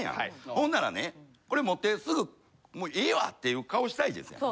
ほんならねこれ持ってすぐ「もうええわ」っていう顔したいですやん。